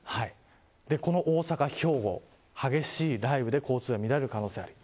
この大阪、兵庫、激しい雷雨で交通が乱れる可能性があります。